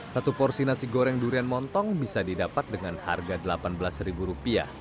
satu porsi nasi goreng durian montong bisa didapat dengan harga rp delapan belas